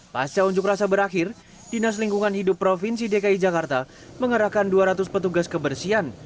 pasca unjuk rasa berakhir dinas lingkungan hidup provinsi dki jakarta mengerahkan dua ratus petugas kebersihan